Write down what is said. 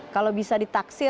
kalau bisa ditaksikan